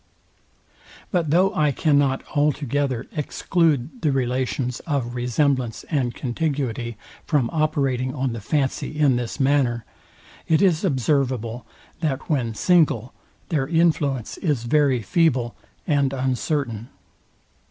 But though I cannot altogether exclude the relations of resemblance and contiguity from operating on the fancy in this manner, it is observable that, when single, their influence is very feeble and uncertain.